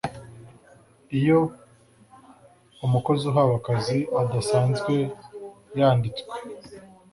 iyo umukozi uhawe akazi adasanzwe yanditswe